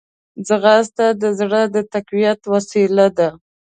ځغاسته د زړه د تقویت وسیله ده